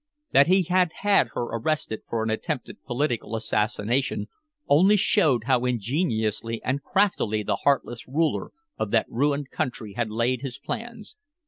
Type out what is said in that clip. That he had had her arrested for an attempted political assassination only showed how ingeniously and craftily the heartless ruler of that ruined country had laid his plans.